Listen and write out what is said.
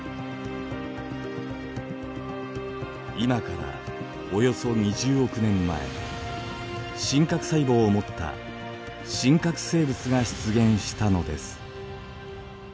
今からおよそ２０億年前真核細胞を持った真核生物が出現したのです。